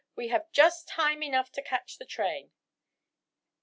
We have just time enough to catch the train!"